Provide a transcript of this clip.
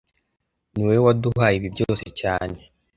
Niwowe waduhaye ibi byose cyane